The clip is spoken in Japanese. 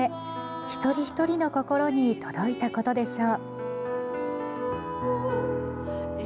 一人一人の心に届いたことでしょう。